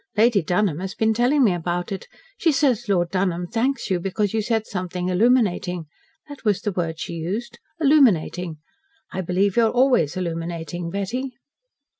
Lady Dunholm has been telling me about it. She says Lord Dunholm thanks you, because you said something illuminating. That was the word she used 'illuminating.' I believe you are always illuminating, Betty."